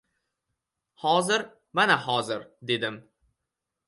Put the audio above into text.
— Hozir, mana hozir! — dedim.